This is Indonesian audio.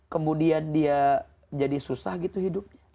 kemudian dia jadi susah gitu hidupnya